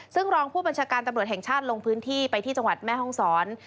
ซึ่งรองผู้บัญชาการตำรวจแห่งชาติลงพื้นที่ไปที่จังหวัดแม่ห้องศร